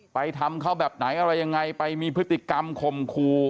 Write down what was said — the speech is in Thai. ไปทำเขาแบบไหนอะไรยังไงไปมีพฤติกรรมข่มขู่